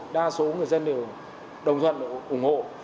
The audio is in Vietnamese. đa số người dân đều đồng thuận ủng hộ